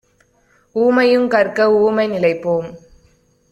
ஊமையுங் கற்க ஊமை நிலைபோம்!